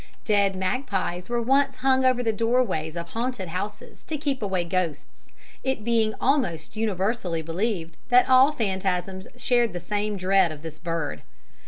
Dead magpies were once hung over the doorways of haunted houses to keep away ghosts; it being almost universally believed that all phantasms shared the same dread of this bird.